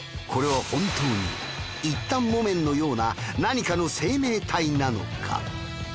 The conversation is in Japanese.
これは本当に一反木綿のような何かの生命体なのか？